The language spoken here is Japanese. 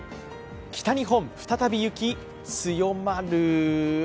北日本、再び雪強まる。